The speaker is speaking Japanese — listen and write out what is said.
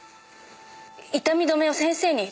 痛み止めを先生に。